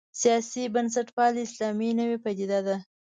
سیاسي بنسټپالی اسلام نوې پدیده ده.